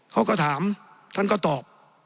เขาก็ถามท่านก็ตอบ